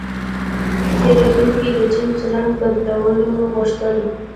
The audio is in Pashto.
پیرودونکی د جنس رنګ بدلول غوښتل.